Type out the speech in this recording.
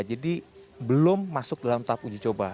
jadi belum masuk dalam tahap uji coba